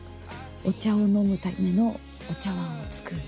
お茶を飲むためのお茶碗を作る。